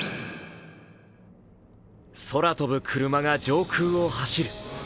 空飛ぶクルマが上空を走る。